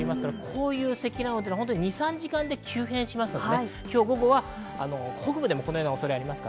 こういう積乱雲は２３時間で急変しますので、今日午後は北部でもこのような恐れがあります。